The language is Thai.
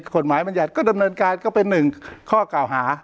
กฎหมายมันยัดก็ดำเนินการก็เป็นหนึ่งข้อก่าวหา